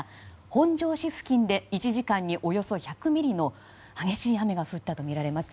本庄市付近で１時間におよそ１００ミリの激しい雨が降ったとみられます。